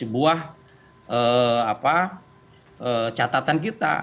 buah catatan kita